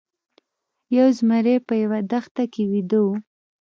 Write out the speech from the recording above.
یو زمری په یوه دښته کې ویده و.